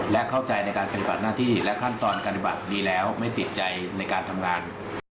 และเข้าใจในการปฏิบัติหน้าที่และขั้นตอนการปฏิบัติดีแล้วไม่ติดใจในการทำงาน